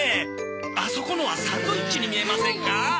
あそこのはサンドイッチに見えませんか？